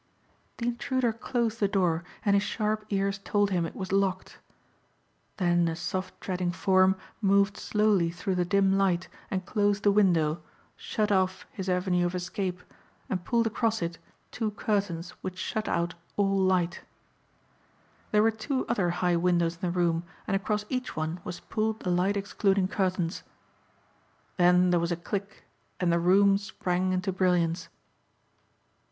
The intruder closed the door and his sharp ears told him it was locked. Then a soft treading form moved slowly through the dim light and closed the window, shut off his avenue of escape, and pulled across it two curtains which shut out all light. There were two other high windows in the room and across each one was pulled the light excluding curtains. Then there was a click and the room sprang into brilliance.